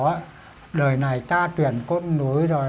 người ta truyền cốt núi rồi